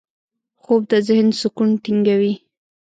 خوب د ذهن سکون ټینګوي